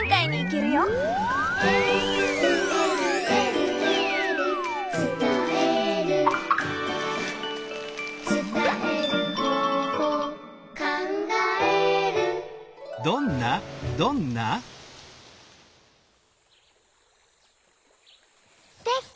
「えるえるえるえる」「つたえる」「つたえる方法」「かんがえる」できた！